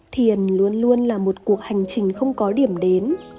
thiền luôn luôn là một cuộc hành trình không có điểm đến